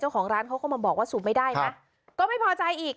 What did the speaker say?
ของร้านเขาก็มาบอกว่าสูบไม่ได้นะก็ไม่พอใจอีก